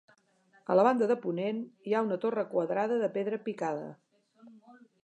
A la banda de ponent hi ha una torre quadrada de pedra picada.